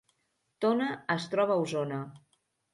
Tona es troba a Osona